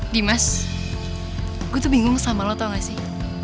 dimas gue tuh bingung sama lo tau gak sih